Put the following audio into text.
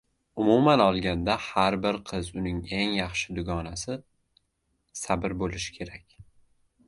Umuman olganda, har bir qiz uning eng yaxshi dugonasi sabr bo'lishi kerak.